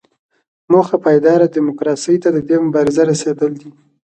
موخه پایداره ډیموکراسۍ ته د دې مبارزې رسیدل دي.